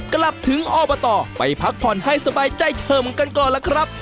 กลับถึงอบตไปพักผ่อนให้สบายใจเฉิมกันก่อนล่ะครับ